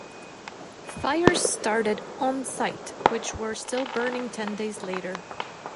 Fires started on-site which were still burning ten days later.